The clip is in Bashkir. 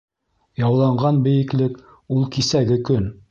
Яуланған бейеклек - ул кисәге көн.